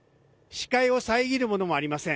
視界を遮るものもありません。